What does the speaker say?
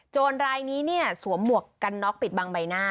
รายนี้เนี่ยสวมหมวกกันน็อกปิดบังใบหน้า